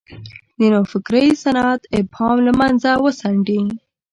د نوفکرۍ سنت ابهام له مخه وڅنډي.